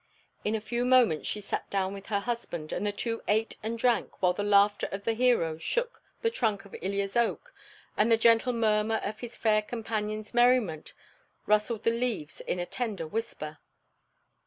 In a few moments she sat down with her husband, and the two ate and drank while the laughter of the hero shook the trunk of Ilya's oak and the gentle murmur of his fair companion's merriment rustled the leaves in a tender whisper.